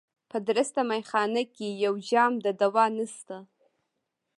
په درسته مېخانه کي یو جام د دوا نسته